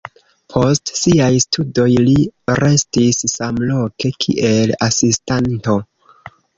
Post siaj studoj li restis samloke kiel asistanto.